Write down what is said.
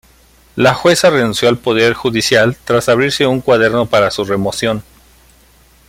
La jueza renunció al Poder Judicial tras abrirse un cuaderno para su remoción.